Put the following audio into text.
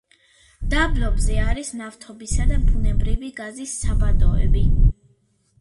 დაბლობზე არის ნავთობისა და ბუნებრივი გაზის საბადოები.